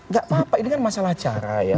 nggak apa apa ini kan masalah cara ya